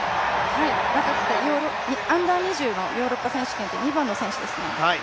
若くて、Ｕ−２０のヨーロッパ選手権で２番の選手です。